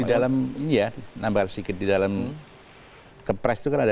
di dalam ini ya nambah sedikit di dalam kepres itu kan ada